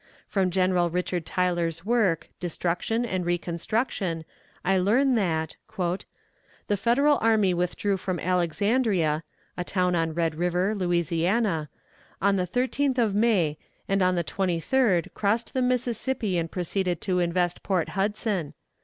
From General Richard Taylor's work, "Destruction and Reconstruction," I learn that "the Federal army withdrew from Alexandria [a town on Red River, Louisiana] on the 13th of May, and on the 23d crossed the Mississippi and proceeded to invest Port Hudson.